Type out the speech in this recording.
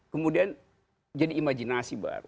kemudian jadi imajinasi baru